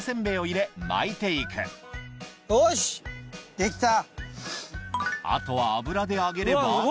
できた。